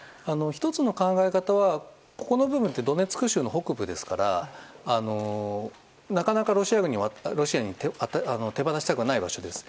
１つの考え方は、この部分ってドネツク州の北部ですからなかなかロシアに手放したくない場所です。